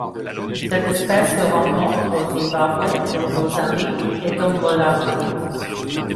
Cette espèce se rencontre au Zimbabwe, au Mozambique et au Malawi.